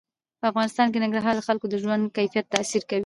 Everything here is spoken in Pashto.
په افغانستان کې ننګرهار د خلکو د ژوند په کیفیت تاثیر کوي.